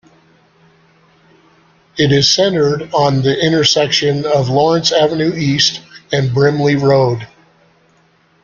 It is centred on the intersection of Lawrence Avenue East and Brimley Road.